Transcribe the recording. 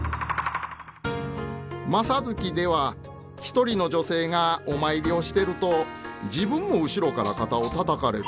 「正月」では一人の女性がお参りをしてると自分も後ろから肩をたたかれる。